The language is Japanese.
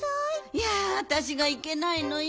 いやわたしがいけないのよ。